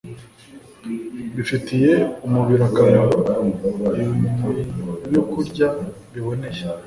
bifitiye umubiri akamaro Ibnyokurya biboneye